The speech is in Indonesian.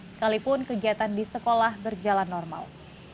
sekalipun kegiatan di sekolah berjalan normal